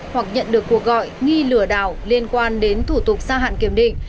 hoặc nhận được cuộc gọi nghi lừa đảo liên quan đến thủ tục xa hạn kiểm định